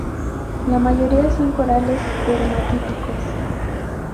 La mayoría son corales hermatípicos.